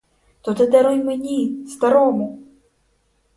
То ти даруй мені, старому!